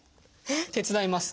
手伝います。